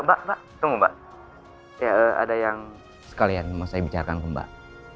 mbak mbak tunggu mbak ya ada yang sekalian mau saya bicarkan ke mbak